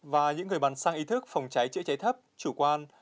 và những người bán xăng ý thức phòng cháy chữa cháy thấp chủ quan